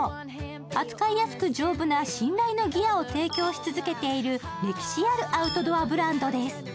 扱いやすく丈夫な信頼のギアを提供し続けている歴史あるアウトドアブランドです。